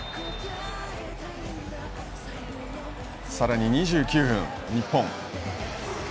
さらに２９分、日本。